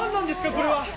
これは。